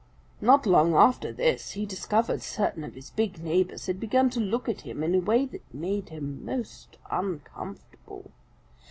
Not long after this he discovered certain of his big neighbors had begun to look at him in a way that made him most uncomfortable.